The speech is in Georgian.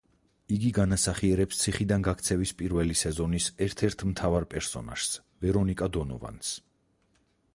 იგი განასახიერებს ციხიდან გაქცევის პირველი სეზონის ერთ-ერთ მთავარ პერსონაჟს, ვერონიკა დონოვანს.